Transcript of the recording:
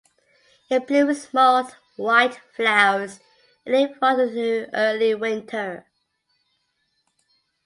It blooms small white flowers in late fall to early winter.